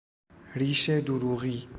ریش دروغی